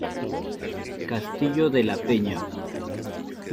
Castillo de la Peña